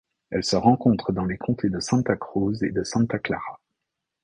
Elle se rencontre dans les comtés de Santa Cruz et de Santa Clara.